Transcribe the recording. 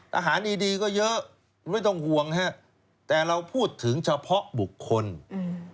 อาหารดีดีก็เยอะไม่ต้องห่วงฮะแต่เราพูดถึงเฉพาะบุคคลอืม